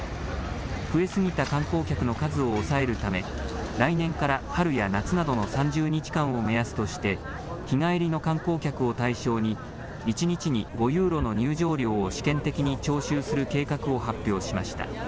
増え過ぎた観光客の数を抑えるため、来年から春や夏などの３０日間を目安として、日帰りの観光客を対象に、１日に５ユーロの入場料を試験的に徴収する計画を発表しました。